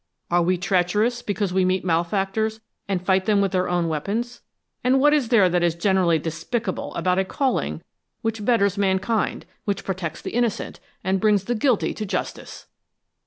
Are we treacherous, because we meet malefactors, and fight them with their own weapons? And what is there that is 'generally despicable' about a calling which betters mankind, which protects the innocent, and brings the guilty to justice?"